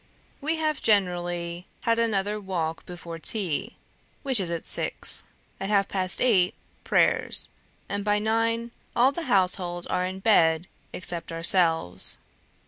"We have generally had another walk before tea, which is at six; at half past eight, prayers; and by nine, all the household are in bed, except ourselves.